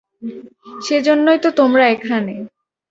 সেজন্যই তো তোমরা এখানে।